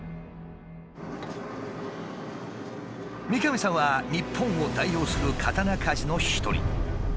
三上さんは日本を代表する刀鍛冶の一人。